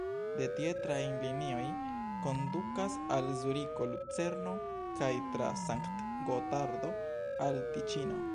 De tie trajnlinioj kondukas al Zuriko, Lucerno kaj tra Sankt-Gotardo al Tiĉino.